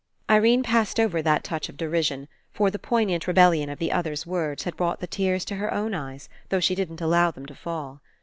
Irene passed over that touch of deri sion, for the poignant rebellion of the other's words had brought the tears to her own eyes, though she didn't allow them to fall.